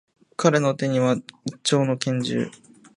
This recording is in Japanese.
彼の手には、一丁の拳銃。